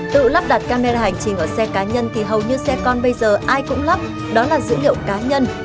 tự lắp đặt camera hành trình ở xe cá nhân thì hầu như xe con bây giờ ai cũng lắp đó là dữ liệu cá nhân